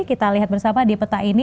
kita lihat bersama di peta ini